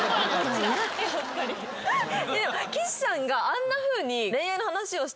岸さんがあんなふうに。